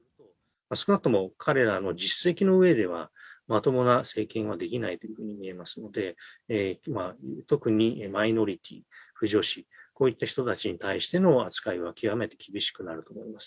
少なくとも彼らの実績のうえでは、まともな政権はできないというふうに言えますので、今、特にマイノリティー、婦女子、こういった人たちに対しての扱いは極めて厳しくなると思います。